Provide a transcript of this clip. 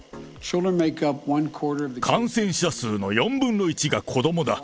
感染者数の４分の１が子どもだ。